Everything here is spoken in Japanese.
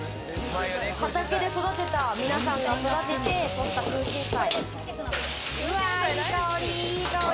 畑で育てた、皆さんが育てて取った空芯菜。